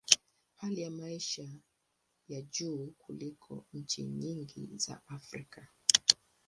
Hali ya maisha ni ya juu kuliko nchi nyingi za Afrika.